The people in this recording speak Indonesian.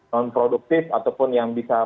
non produktif ataupun yang bisa